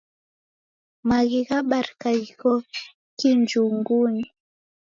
Maghi ghabarika ghiko kijungunyi.